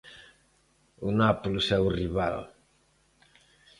O Nápoles é o rival.